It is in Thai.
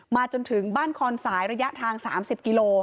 จนถึงบ้านคอนสายระยะทาง๓๐กิโล